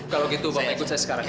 kalau gitu bawa ikut saya sekarang ya